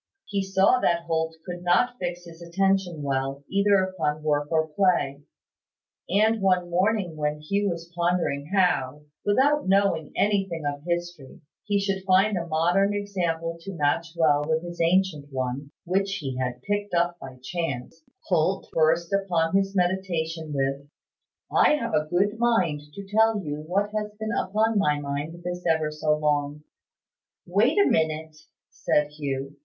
He saw that Holt could not fix his attention well, either upon work or play; and one morning, when Hugh was pondering how, without knowing anything of history, he should find a modern example to match well with his ancient one (which he had picked up by chance), Holt burst upon his meditation with "I have a good mind to tell you what has been upon my mind this ever so long." "Wait a minute," said Hugh.